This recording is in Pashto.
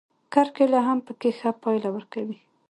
کرکېله هم پکې ښه پایله ورکوي.